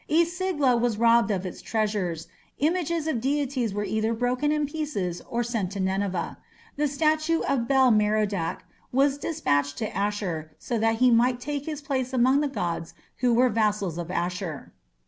E sagila was robbed of its treasures, images of deities were either broken in pieces or sent to Nineveh: the statue of Bel Merodach was dispatched to Asshur so that he might take his place among the gods who were vassals of Ashur.